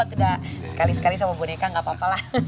tidak sekali sekali sama boneka nggak apa apa lah